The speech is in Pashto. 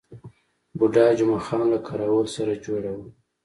بوډا جمعه خان له کراول سره جوړه وه.